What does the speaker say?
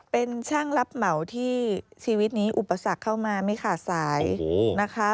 เป็นช่างรับเหมาที่ชีวิตนี้อุปสรรคเข้ามาไม่ขาดสายนะคะ